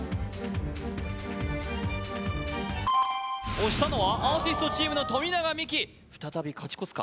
押したのはアーティストチームの富永美樹再び勝ち越すか？